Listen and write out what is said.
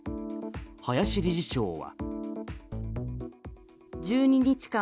林理事長は。